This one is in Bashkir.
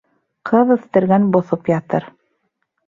Ҡыҙ үҫтергән боҫоп ятыр.